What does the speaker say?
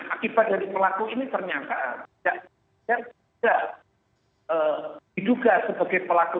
akibat dari pelaku ini ternyata tidak diduga sebagai pelaku